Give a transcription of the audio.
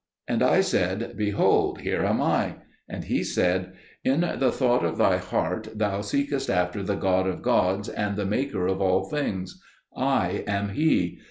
And I said, "Behold, here am I!" And He said, "In the thought of thy heart thou seekest after the God of Gods and the Maker of all things: I am He.